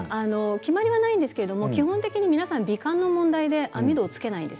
決まりはないんですけれど基本的に美観の問題で網戸をつけないんです。